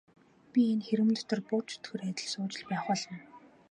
Би энэ хэрмэн дотор буг чөтгөр адил сууж л байх болно.